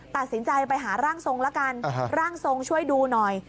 ตัดสินใจไปหาร่างทรงละกันร่างทรงช่วยดูหน่อย